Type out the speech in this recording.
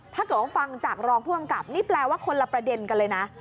ถ้าเกิดว่าฟังจากรองผู้กำกับนี่แปลว่าคนละประเด็นกันเลยนะ